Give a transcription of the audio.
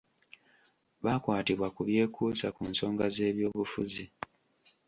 Baakwatibwa ku byekuusa ku nsonga z’ebyobufuzi .